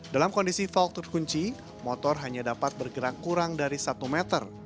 dalam kondisi falk terkunci motor hanya dapat bergerak kurang dari satu meter